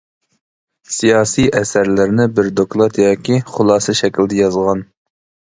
سىياسىي ئەسەرلەرنى بىر دوكلات ياكى خۇلاسە شەكلىدە يازغان.